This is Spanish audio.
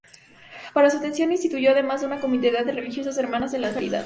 Para su atención, instituyó además una comunidad de religiosas de Hermanas de la Caridad.